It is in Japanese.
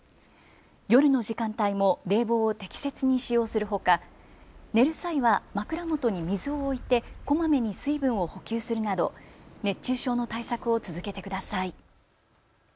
夜の時間帯も冷房を適切に使用するほか寝る際は枕元に水を置いてこまめに水分を補給するなど熱中症の対策を続けてください。